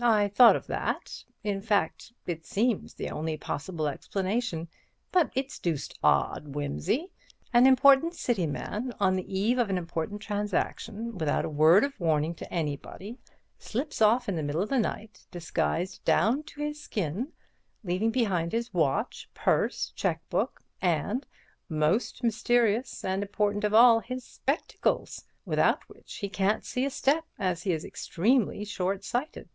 "I thought of that—in fact, it seems the only possible explanation. But it's deuced odd, Wimsey. An important city man, on the eve of an important transaction, without a word of warning to anybody, slips off in the middle of the night, disguised down to his skin, leaving behind his watch, purse, cheque book, and—most mysterious and important of all—his spectacles, without which he can't see a step, as he is extremely short sighted.